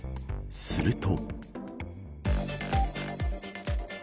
すると。